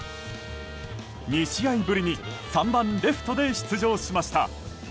２試合ぶりに３番レフトで出場しました。